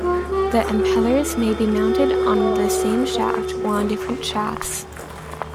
The impellers may be mounted on the same shaft or on different shafts.